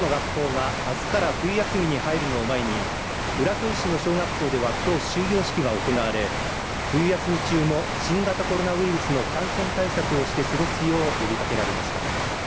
県内のほとんどの学校があすから冬休みに入るのを前に浦添市の小学校ではきょう終業式が行われ冬休み中も新型コロナウイルスの感染対策をして過ごすよう呼びかけられました。